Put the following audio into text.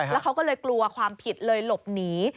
แล้วเขาก็เลยกลัวความผิดเลยหลบหนี